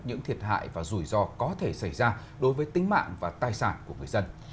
những thiệt hại và rủi ro có thể xảy ra đối với tính mạng và tài sản của người dân